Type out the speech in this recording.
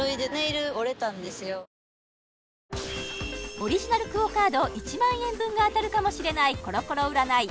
オリジナルＱＵＯカード１万円分が当たるかもしれないコロコロ占い